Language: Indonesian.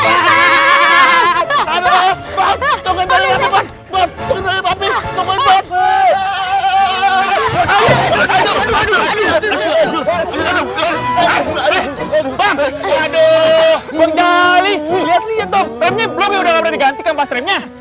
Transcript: lihat liat dong remnya blong ya udah gak pernah diganti kan pas remnya